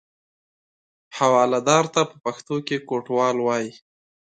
حوالهدار ته په پښتو کې کوټوال وایي.